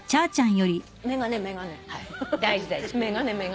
眼鏡眼鏡。